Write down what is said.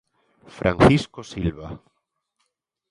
Francisco Silva.